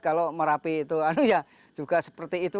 kalau merapi itu anu ya juga seperti itu